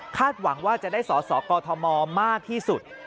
หวังว่าจะได้สอสอกอทมมากที่สุด